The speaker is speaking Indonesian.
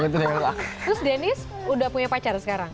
terus deniz udah punya pacar sekarang